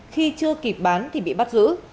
khi chưa kịp bán thì bị bắt giữ